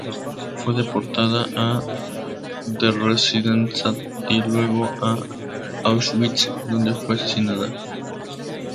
Fue deportada a Theresienstadt y luego a Auschwitz donde fue asesinada.